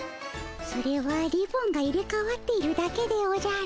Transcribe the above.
それはリボンが入れかわっているだけでおじゃる。